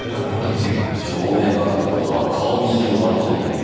正面からって事は顔見知りの可能性も？